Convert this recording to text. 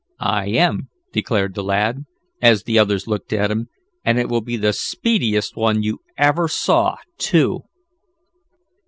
"I am," declared the lad, as the others looked at him, "and it will be the speediest one you ever saw, too!"